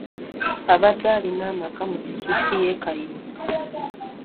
Abadde alina amaka mu disitulikiti y'e Kayunga.